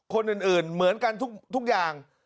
คนอื่นเหมือนกันทุกอย่าง